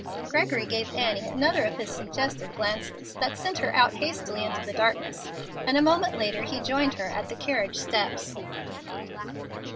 Gregory gave Annie another of his suggestive glances, that sent her out hastily into the darkness, and a moment later he joined her at the carriage steps.